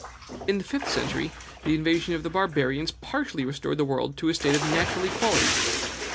In the fifth century, the invasion of the Barbarians partially restored the world to a state of natural equality.